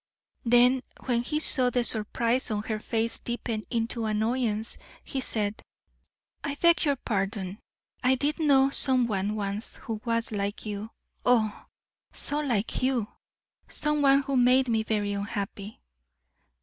Then when he saw the surprise on her face deepen into annoyance, he said: "I beg your pardon. I did know some one once who was like you oh, so like you! some one who made me very unhappy.